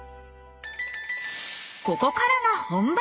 ここからが本番！